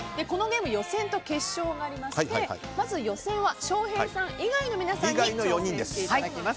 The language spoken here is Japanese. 予選と決勝がありましてまず予選は翔平さん以外の皆さんに挑戦していただきます。